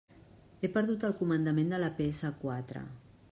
He perdut el comandament de la pe essa quatre.